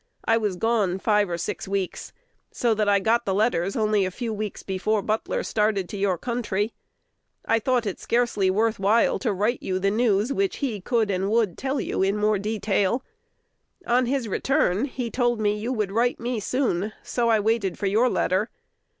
I was gone five or six weeks, so that I got the letters only a few weeks before Butler started to your country. I thought it scarcely worth while to write you the news which he could and would tell you more in detail. On his return, he told me you would write me soon, and so I waited for your letter.